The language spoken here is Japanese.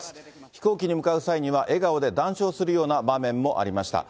飛行機に向かう際には、笑顔で談笑するような場面もありました。